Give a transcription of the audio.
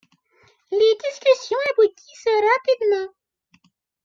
Les discussions aboutissent rapidement.